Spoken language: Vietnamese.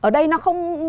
đây nó không